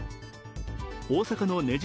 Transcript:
大阪のねじ